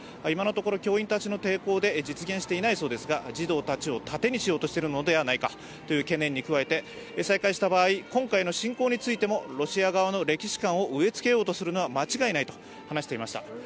今のところ教員たちの抵抗で実現していないそうですが、児童たちを盾にしようとしているのではないかという懸念に加え再開した場合、今回の侵攻についてもロシア側の歴史観を植えつけようとするのは間違いないと話していました。